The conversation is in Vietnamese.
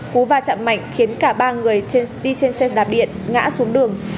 cú va chạm mạnh khiến cả ba người đi trên xe đạp điện ngã xuống đường